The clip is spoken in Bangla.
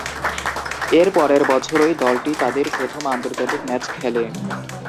এর পরের বছরই দলটি তাদের প্রথম আন্তর্জাতিক ম্যাচ খেলে।